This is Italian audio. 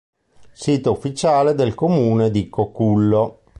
Sito ufficiale del comune di Cocullo